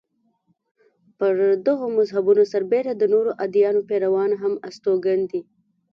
پر دغو مذهبونو سربېره د نورو ادیانو پیروان هم استوګن دي.